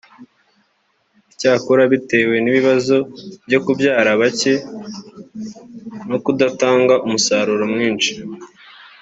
Icyakora bitewe n’ibibazo byo kubyara bake no kudatanga umusaruro mwinshi